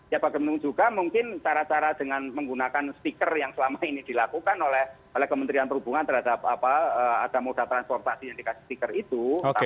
ya bagaimana juga mungkin cara cara dengan menggunakan stiker yang selama ini dilakukan oleh kementerian perhubungan terhadap ada moda transportasi yang dikasih stiker itu